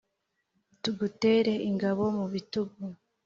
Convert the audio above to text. tugutere ingabo mu bitugu.